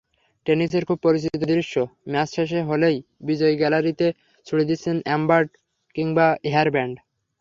টেনিসের খুব পরিচিত দৃশ্য—ম্যাচ শেষ হলেই বিজয়ী গ্যালারিতে ছুড়ে দিচ্ছেন আর্মব্যান্ড কিংবা হেয়ারব্যান্ড।